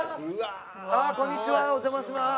こんにちはお邪魔します。